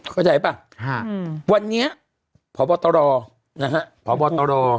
เข้าใจป่ะวันนี้พบตรนะฮะพบตร